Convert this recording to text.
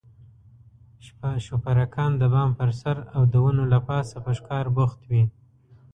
شپرکان د بام پر سر او د ونو له پاسه په ښکار بوخت وي.